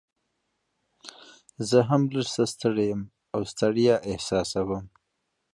سرکټ د برېښنا بشپړ لاره ده.